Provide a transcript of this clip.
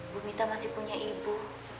bumita masih punya ibu